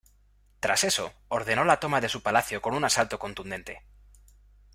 Tras eso, ordeno la toma de su palacio con un asalto contundente.